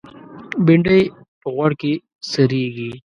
بېنډۍ په غوړ کې سرېږي